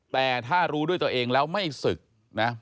แต่ถ้ารู้ด้วยตัวเองแล้วไม่ศึกนะ